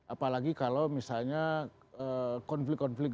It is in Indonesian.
apalagi kalau misalnya konflik konflik